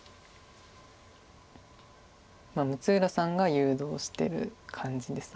六浦さんが誘導してる感じです